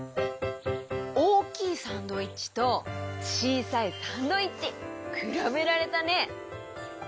おおきいサンドイッチとちいさいサンドイッチ！くらべられたね！